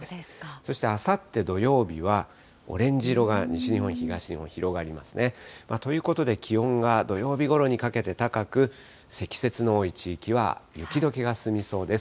そしてあさって土曜日は、オレンジ色が西日本、東日本、広がりますね。ということで、気温が土曜日ごろにかけて高く、積雪の多い地域は雪どけが進みそうです。